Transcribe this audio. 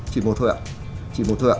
chỉ một thôi ạ